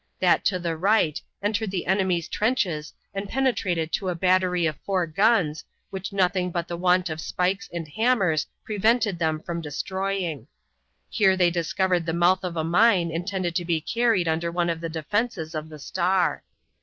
That to the right entered the enemy's trenches and penetrated to a battery of four guns, which nothing but the want of spikes and hammers prevented them from destroying. Here they discovered the mouth of a mine intended to be carried under one of the defenses of the Star.